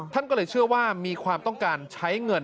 ท่านก็เลยเชื่อว่ามีความต้องการใช้เงิน